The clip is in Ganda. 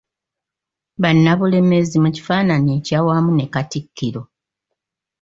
Bannabulemezi mu kifaananyi ekyawamu ne Katikkiro.